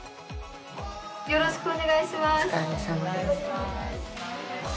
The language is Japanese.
よろしくお願いします。